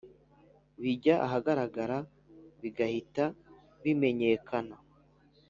bijya ahagaragara bigahita bimenyekana